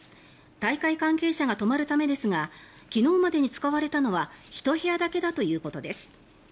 大会関係者が泊まるためですが昨日までに使われたのは１部屋だけだということです。